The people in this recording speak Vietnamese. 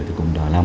thì cũng đã làm